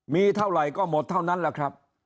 มีเท่าไหร่ก็หมดเท่านั้นแหละครับ